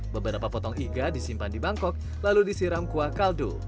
beberapa potong iga disimpan di bangkok lalu disiram kuah kaldu